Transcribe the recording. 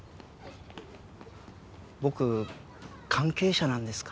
僕関係者なんですか？